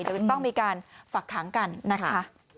เดี๋ยวก็ต้องมีการฝักขังกันนะคะ